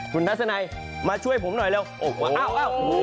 คุณพัฒนายมาช่วยผมหน่อยเร็ว